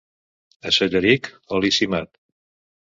A Solleric, oli cimat.